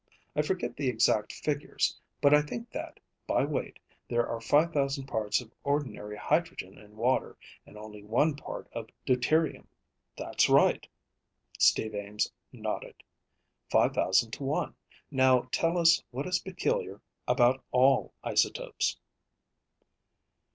I forget the exact figures, but I think that, by weight, there are five thousand parts of ordinary hydrogen in water and only one part of deuterium." "That's right." Steve Ames nodded. "Five thousand to one. Now tell us what is peculiar about all isotopes?"